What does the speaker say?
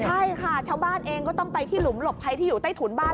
ใช่ค่ะชาวบ้านเองก็ต้องไปที่หลุมหลบภัยที่อยู่ใต้ถุนบ้าน